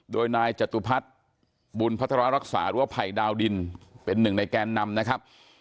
โดยนายจตุพัฒน์บุญพระธรรมรักษารัวไผ่ดาวดินเป็นหนึ่งในแกนนำนะครับ